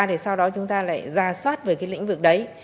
để sau đó chúng ta lại ra soát về cái lĩnh vực đấy